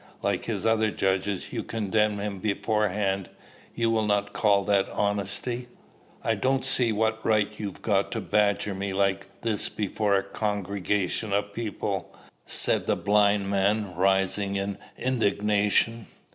Like his other judges, you condemn him beforehand. You will not call that honesty?" "I don't see what right you've got to badger me like this before a congregation o' people," said the blind man, rising in indignation.